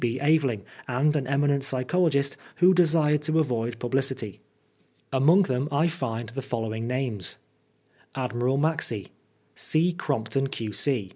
B. Aveling and an eminent psychologist who desired to avoid pub licity. Among them I find the following names :— Admiral Maxse C. Crompton, Q.C.